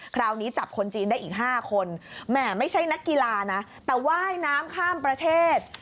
คราวนี้จับคนจีนได้อีก๕คนแหมไม่ใช่นักกีฬานะแต่ว่ายน้ำข้ามประเทศ